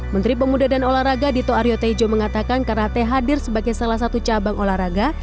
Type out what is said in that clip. menteri pemuda dan olahraga dito aryo tejo mengatakan karate hadir sebagai salah satu cabang olahraga